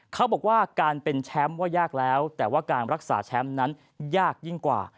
เขาบอกว่าการเป็นแชมป์ว่ายากแล้วแต่ว่าการรักษาแชมป์นั้นยากยิ่งกว่า